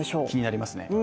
気になりますね。